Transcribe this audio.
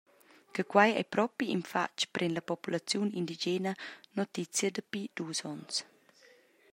Che quei ei propi in fatg pren la populaziun indigena notizia dapi dus onns.